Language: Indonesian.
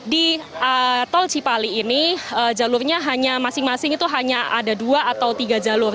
di tol cipali ini jalurnya hanya masing masing itu hanya ada dua atau tiga jalur